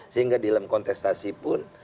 sehingga dalam kontestasi pun